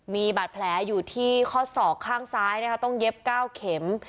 มีบัตรแผลอยู่ที่ข้อศอกข้างซ้ายต้องเย็บเก้าเข็ม